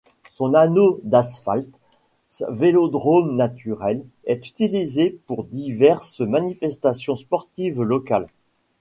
Son anneau d'asphalte, vélodrome naturel, est utilisé pour diverses manifestations sportives locales.